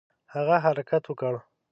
هغه حرکت وکړ.